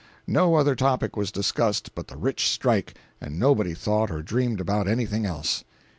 No other topic was discussed but the rich strike, and nobody thought or dreamed about anything else.